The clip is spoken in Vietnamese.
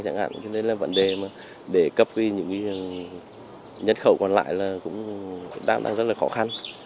cho nên là vấn đề để cấp những nhân khẩu còn lại là cũng đang rất là khó khăn